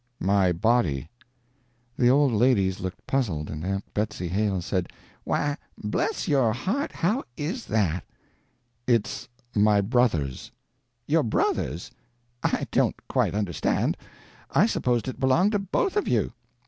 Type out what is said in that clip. "My body." The old ladies looked puzzled, and Aunt Betsy Hale said: "Why bless your heart, how is that?" "It's my brother's." "Your brother's! I don't quite understand. I supposed it belonged to both of you."